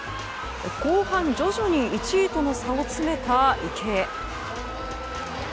後半、徐々に１位との差を詰めた池江。